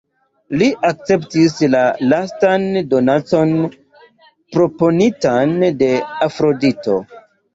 Li akceptis la lastan donacon, proponitan de Afrodito.